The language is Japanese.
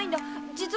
実は。